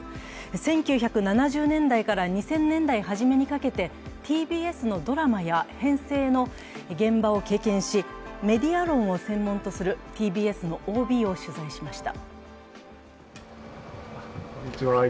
１９７０年代から２０００年代はじめにかけてＴＢＳのドラマや編成の現場を経験し、メディア論を専門とするＴＢＳのＯＢを取材しました。